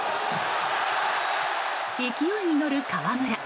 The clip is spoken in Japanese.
勢いに乗る河村。